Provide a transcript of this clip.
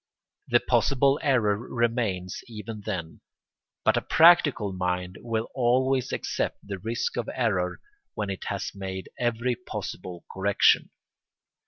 The possible error remains even then; but a practical mind will always accept the risk of error when it has made every possible correction.